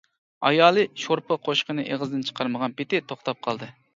ئايالى شورپا قوشۇقىنى ئېغىزدىن چىقارمىغان پېتى توختاپ قالدى.